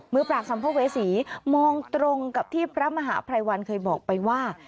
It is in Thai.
มือปรากษมพเวสีมองตรงกับที่พระมหาภรรยวัลเคยบอกไปว่า